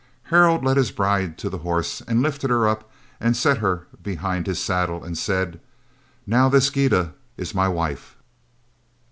Harald led his bride to the horse and lifted her up and set her behind his saddle and said: "Now this Gyda is my wife."